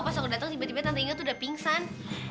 pas aku datang tiba tiba tante inge itu sudah pingsan